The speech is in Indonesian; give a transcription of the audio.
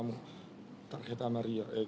karena tarjeta meriah diberi